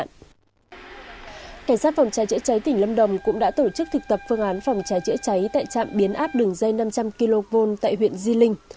cảnh sát phòng cháy chữa cháy tỉnh lâm đồng cũng đã tổ chức thực tập phương án phòng cháy chữa cháy tại trạm biến áp đường dây năm trăm linh kv tại huyện di linh